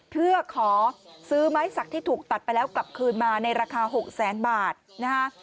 เพื่อขอซื้อไม้สักที่ถูกตัดไปแล้วกลับคืนมาในราคา๖แสนบาทนะฮะ